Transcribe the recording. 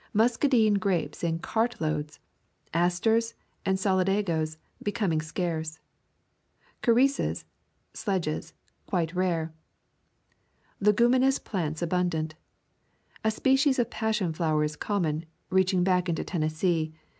Muscadine grapes in cart loads. Asters and solidagoes becoming scarce. Carices [sedges] quite rare. Leguminous plants abundant. A species of passion flower is common, reaching back into Tennessee.